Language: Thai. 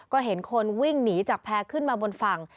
ก็เห็นคนวิ่งหนีจากแพร่ขึ้นมาบนฝั่ง